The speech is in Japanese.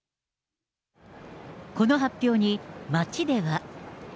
この発表に、街では。